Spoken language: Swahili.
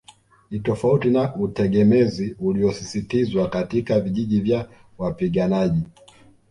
Ni tofauti na utegemezi uliosisitizwa katika vijiji vya wapiganaji